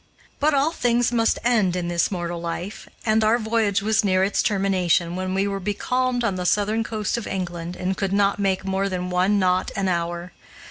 But all things must end in this mortal life, and our voyage was near its termination, when we were becalmed on the Southern coast of England and could not make more than one knot an hour.